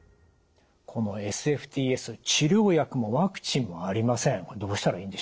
このＳＦＴＳ治療薬もワクチンもありません。